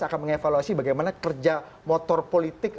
akan mengevaluasi bagaimana kerja motor politik